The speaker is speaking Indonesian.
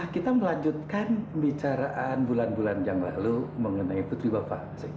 kita melanjutkan pembicaraan bulan bulan yang lalu mengenai putri bapak